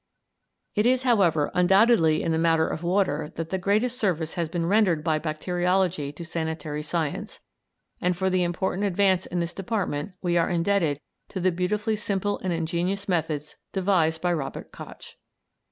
It is, however, undoubtedly in the matter of water that the greatest service has been rendered by bacteriology to sanitary science, and for the important advance in this department we are indebted to the beautifully simple and ingenious methods devised by Robert Koch.